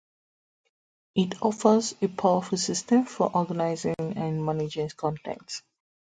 It offers a powerful system for organizing and managing content.